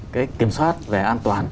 cái kiểm soát về an toàn